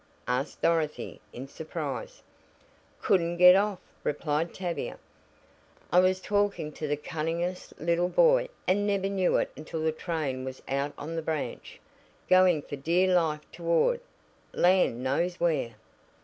asked Dorothy in surprise. "Couldn't get off," replied Tavia. "I was talking to the cunningest little boy, and never knew it until the train was out on the branch, going for dear life toward land knows where."